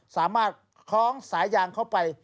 สามารถคล้องสายยางเข้าไป